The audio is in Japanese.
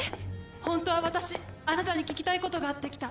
ホントは私あなたに聞きたいことがあって来た。